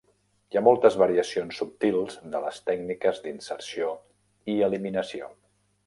Hi ha moltes variacions subtils de les tècniques d'inserció i eliminació.